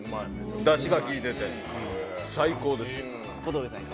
だしが効いてて、最高ですよ。